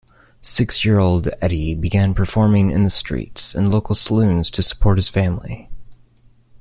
Six-year-old Eddie began performing in the streets and local saloons to support his family.